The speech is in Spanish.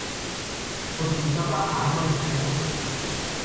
Se consultaba a amas de casa, por ejemplo.